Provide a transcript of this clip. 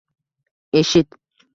Eshit